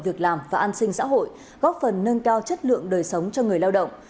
việc làm và an sinh xã hội góp phần nâng cao chất lượng đời sống cho người lao động